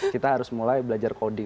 kita harus mulai belajar kodi